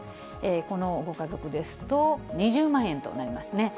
このご家族ですと、２０万円となりますね。